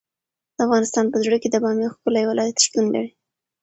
د افغانستان په زړه کې د بامیان ښکلی ولایت شتون لري.